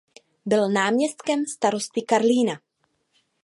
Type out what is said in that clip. Byl náměstkem starosty Karlína.